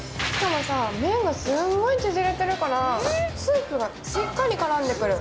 麺がすっごい縮れてるからスープがしっかり絡んでくる。